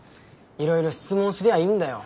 いろいろ質問すりゃいいんだよ。